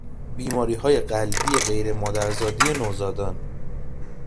بیماریهای قلبی غیرمادرزادی نوزادان